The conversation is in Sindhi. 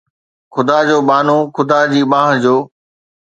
خدا جو ٻانهو ، خدا جي ٻانهن جو